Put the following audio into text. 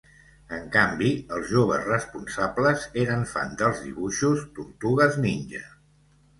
En canvi, els joves responsables eren fans dels dibuixos 'Tortugues Ninja'.